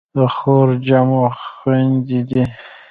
د خور جمع خویندې دي.